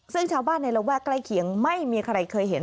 ซึ่งชาวบ้านในระแวกใกล้เคียงไม่มีใครเคยเห็น